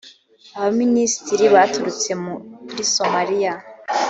aba minisitiri baturutse muri somaliya